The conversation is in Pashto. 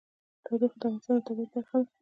تودوخه د افغانستان د طبیعت برخه ده.